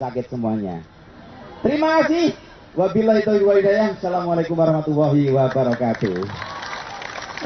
sakit semuanya terima kasih wabillahi tawai dayang salamualaikum warahmatullahi wabarakatuh